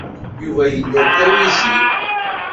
Yuba yella-d d awizi.